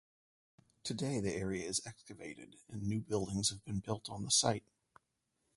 Today, the area is excavated and new buildings have been built on the site.